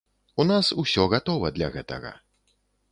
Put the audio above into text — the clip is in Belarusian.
У нас усё гатова для гэтага.